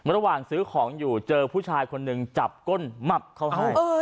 ระหว่างซื้อของอยู่เจอผู้ชายคนหนึ่งจับก้นมับเขาให้